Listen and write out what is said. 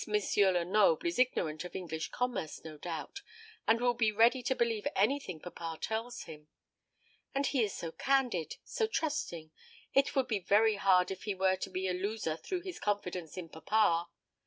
Lenoble is ignorant of English commerce, no doubt, and will be ready to believe anything papa tells him. And he is so candid, so trusting, it would be very hard if he were to be a loser through his confidence in papa.